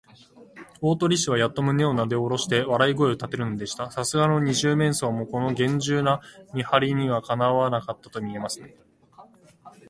大鳥氏はやっと胸をなでおろして、笑い声をたてるのでした。さすがの二十面相も、このげんじゅうな見はりには、かなわなかったとみえますね。